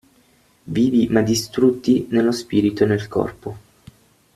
Vivi ma distrutti nello spirito e nel corpo.